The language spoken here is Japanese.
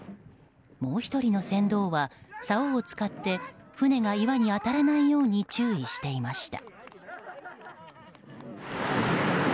もう１人の船頭は、さおを使って船が岩に当たらないように注意していました。